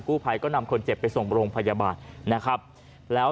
กู้ภัยก็นำคนเจ็บไปส่งโรงพยาบาล